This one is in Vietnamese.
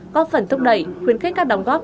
có phần thúc đẩy khuyến khích các đóng góp